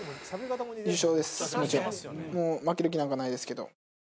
もう負ける気なんかないですけど。